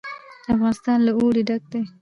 افغانستان له اوړي ډک دی.